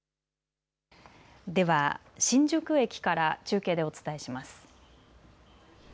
では新宿駅から中継でお伝えします。